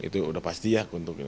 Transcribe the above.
itu udah pasti ya